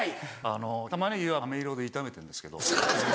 あの玉ねぎをアメ色で炒めてるんですけど。